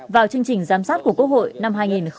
vào chương trình giám sát của quốc hội năm hai nghìn hai mươi